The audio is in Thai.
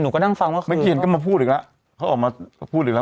หนูก็นั่งฟังว่าเมื่อกี้เย็นก็มาพูดอีกแล้วเขาออกมาพูดอีกแล้ว